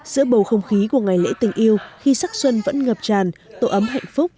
giữa bầu không khí của ngày lễ tình yêu khi sắc xuân vẫn ngập tràn tổ ấm hạnh phúc